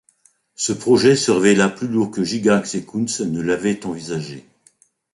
Ce projet se révéla plus lourd que Gygax et Kuntz ne l'avaient envisagé.